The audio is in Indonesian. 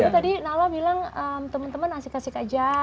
tadi nala bilang temen temen asik asik aja